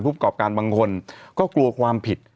ประกอบการบางคนก็กลัวความผิด